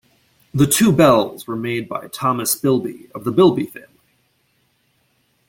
The two bells were made by Thomas Bilbie of the Bilbie family.